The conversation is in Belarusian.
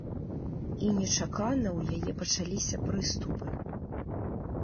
І нечакана ў яе пачаліся прыступы.